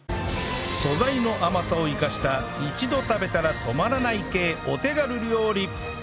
素材の甘さを生かした一度食べたら止まらない系お手軽料理